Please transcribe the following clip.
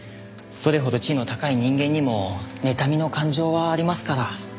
どれほど地位の高い人間にもねたみの感情はありますから。